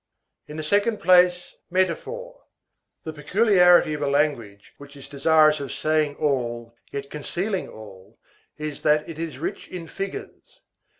In the second place, metaphor. The peculiarity of a language which is desirous of saying all yet concealing all is that it is rich in figures.